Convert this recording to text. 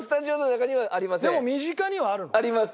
でも身近にはあるの？あります。